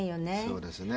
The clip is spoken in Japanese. そうですね。